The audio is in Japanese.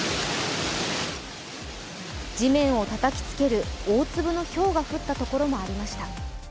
地面をたたきつける大粒のひょうが降った所もありました。